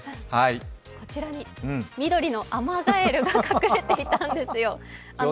こちらに、緑のアマガエルが隠れていたんですよ。